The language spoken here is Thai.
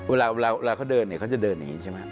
เวลาเขาเดินเนี่ยเขาจะเดินอย่างนี้ใช่ไหม